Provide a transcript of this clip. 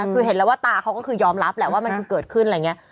คือเห็นแล้วว่าตาเขาก็คือยอมรับแหละว่ามันคือเกิดขึ้นอะไรอย่างนี้